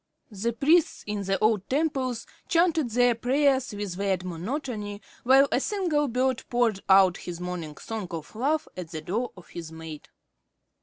The priests in the old temples chanted their prayers with weird monotony, while a single bird poured out his morning song of love at the door of his mate.